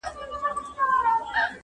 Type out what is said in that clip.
ما دفن کړه د دې کلي هدیره کي.